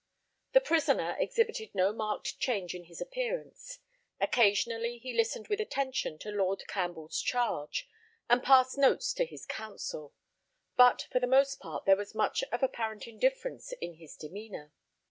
The prisoner exhibited no marked change in his appearance. Occasionally he listened with attention to Lord Campbell's charge, and passed notes to his counsel; but for the most part there was much of apparent indifference in his demeanour.